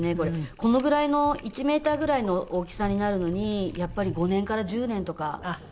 このぐらいの１メーターぐらいの大きさになるのにやっぱり５年から１０年とか時間がかかってしまう。